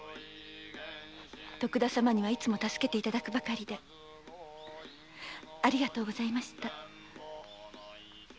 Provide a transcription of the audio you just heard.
徳田様には助けていただくばかりでありがとうございました。